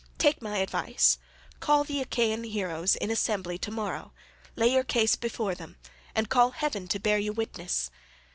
Take my advice, call the Achaean heroes in assembly to morrow morning—lay your case before them, and call heaven to bear you witness.